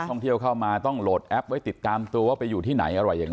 ท่องเที่ยวเข้ามาต้องโหลดแอปไว้ติดตามตัวว่าไปอยู่ที่ไหนอะไรยังไง